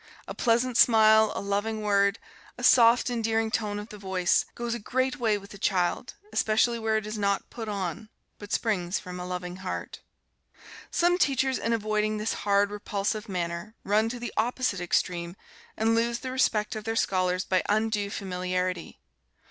A pleasant smile, a loving word, a soft, endearing tone of the voice, goes a great way with a child, especially where it is not put on, but springs from a loving heart. Some teachers in avoiding this hard, repulsive manner, run to the opposite extreme, and lose the respect of their scholars by undue familiarity.